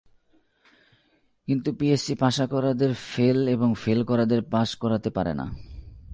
কিন্তু পিএসসি পাসা করাদের ফেল এবং ফেল করাদের পাস করাতে পারে না।